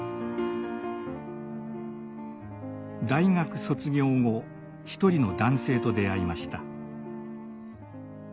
大学卒業後一人の男性と出会いました。